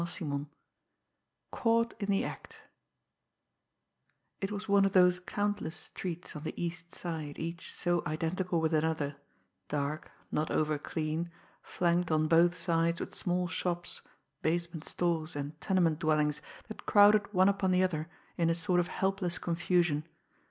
CHAPTER XV CAUGHT IN THE ACT It was one of those countless streets on the East Side each so identical with another dark, not over clean, flanked on both sides with small shops, basement stores and tenement dwellings that crowded one upon the other in a sort of helpless confusion.